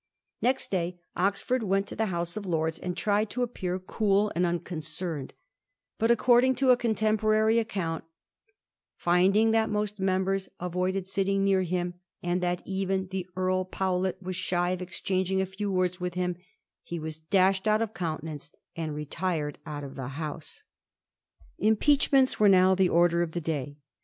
Next day Oxford went to the House of Lords, and tried to appear cool and uncon cerned, but, according to a contemporary account, ^ finding that most members avoided sitting near him, and that even the Earl Powlet was shy of exchanging a few words with him, he was dashed out of counte nance, and retired out of the House.' Lnpeachments were now the order of the day.